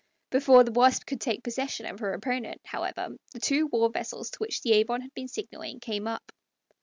Before the Wasp could take possession of her opponent, however, the two war vessels to which the Avon had been signaling came up.